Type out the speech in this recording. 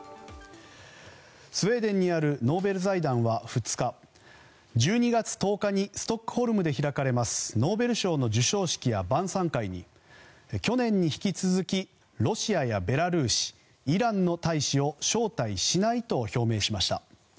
スウェーデンにあるノーベル財団は２日１２月１０日にストックホルムで開かれますノーベル賞の授賞式や晩さん会に去年に引き続きロシアやベラルーシイランの大使を招待しないと表明しました。